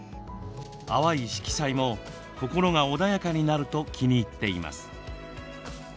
淡い色彩も、心が穏やかになると気に入っています。